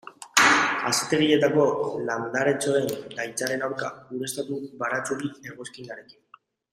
Hazitegietako landaretxoen gaitzaren aurka, ureztatu baratxuri-egoskinarekin.